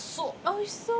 おいしそう。